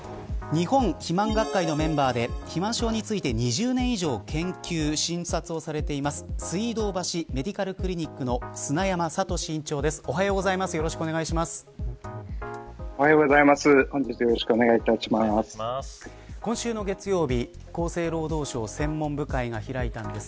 日本肥満学会のメンバーで肥満症について２０年以上研究、診察をしている水道橋メディカルクリニックの砂山聡院長です。